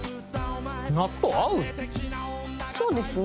そうですね。